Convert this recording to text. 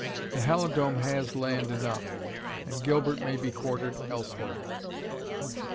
The Halidome has land enough, and Gilbert may be quartered elsewhere."